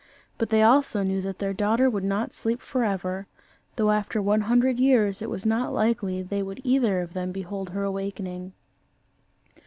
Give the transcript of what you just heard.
But they also knew that their daughter would not sleep for ever, though after one hundred years it was not likely they would either of them behold her awakening.